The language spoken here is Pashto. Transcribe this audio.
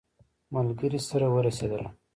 ملګري سره ورسېدلم.